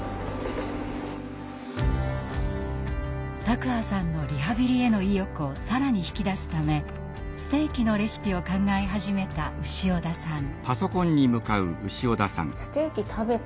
卓巴さんのリハビリへの意欲を更に引き出すためステーキのレシピを考え始めた潮田さん。